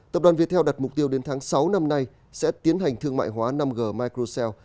tập đoàn viettel đặt mục tiêu đến tháng sáu năm nay sẽ tiến hành thương mại hóa năm g microsel